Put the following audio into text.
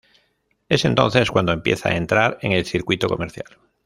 Es entonces cuando empieza a entrar en el circuito comercial.